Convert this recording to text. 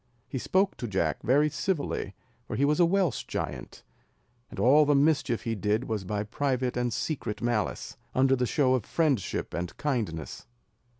He spoke to Jack very civilly, for he was a Welsh giant, and all the mischief he did was by private and secret malice, under the show of friendship and kindness.